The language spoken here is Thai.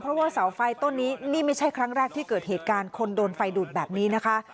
เพราะว่าเสาไฟต้นนี้นี่ไม่ใช่ครั้งแรกที่เกิดเหตุการณ์คนโดนไฟดูดแบบนี้นะคะ